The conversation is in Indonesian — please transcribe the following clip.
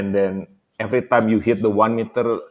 setiap kali anda menang satu meter